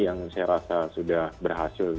yang saya rasa sudah berhasil